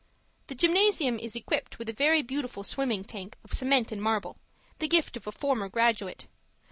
The gymnasium is equipped with a very beautiful swimming tank of cement and marble, the gift of a former graduate.